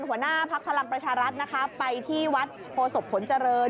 หัวหน้าพักภารังประชารัฐภายไปที่วัดโภษบขนเจริญ